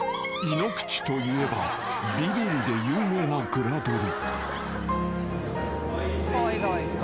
［井口といえばビビりで有名なグラドル］